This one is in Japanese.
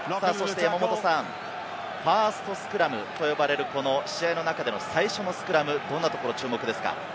ファーストスクラムと呼ばれる、この試合の中での最初のスクラム、どんなところに注目ですか？